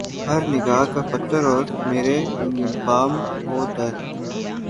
ہر نگاہ کا پتھر اور میرے بام و در